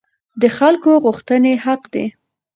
د خلکو غوښتنې حق دي